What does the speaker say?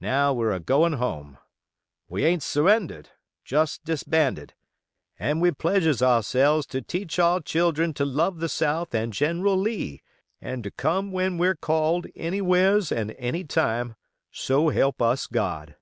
Now we're agoin' home. We aint surrendered; just disbanded, and we pledges ourselves to teach our children to love the South and General Lee; and to come when we're called anywheres an' anytime, so help us God."